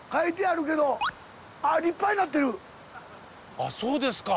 あっそうですか。